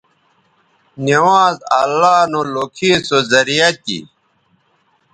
نوانز اللہ نو لوکھے سو زریعہ تھی